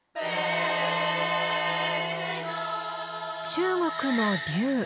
中国の竜。